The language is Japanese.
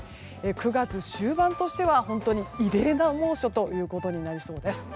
９月終盤としては本当に異例な猛暑ということになりそうです。